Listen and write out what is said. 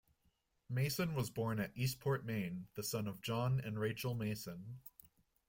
Mason was born at Eastport, Maine, the son of John and Rachel Mason.